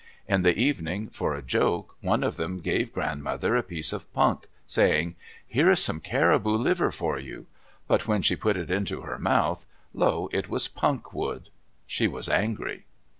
In the evening, for a joke, one of them gave grandmother a piece of punk, saying, "Here is some caribou liver for you," but when she put it into her mouth, lo, it was punk wood! She was angry.